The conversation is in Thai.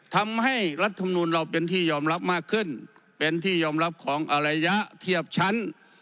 ทำให้รัฐมนุนเราเป็นที่ยอมรับมากขึ้นเป็นที่ยอมรับของอารยะเทียบชั้น